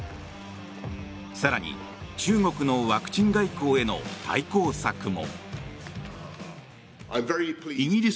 更に、中国のワクチン外交への対抗策も。